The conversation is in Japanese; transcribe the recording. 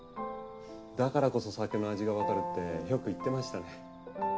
だからこそ酒の味が分かるってよく言ってましたね。